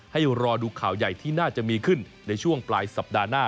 ให้รอดูข่าวใหญ่ที่น่าจะมีขึ้นในช่วงปลายสัปดาห์หน้า